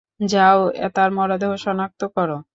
যাও, তার মরদেহ শনাক্ত কর।